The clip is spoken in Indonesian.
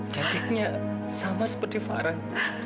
jadinya sama seperti farah